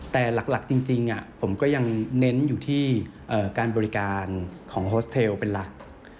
แต่หลักจริงผมก็ยังเน้นอยู่ที่การบริการของโฮสเทลเป็นหลัก